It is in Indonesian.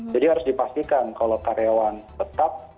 jadi harus dipastikan kalau karyawan tetap